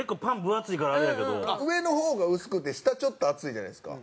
上の方が薄くて下ちょっと厚いじゃないですか。